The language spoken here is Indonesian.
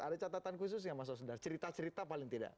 ada catatan khusus nggak mas osdar cerita cerita paling tidak